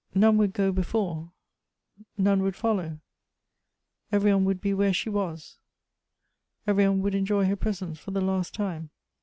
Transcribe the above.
None would go before; none would follow; every one would be where she was, every one would enjoy her presence for the last time.